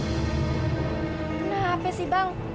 kenapa sih bang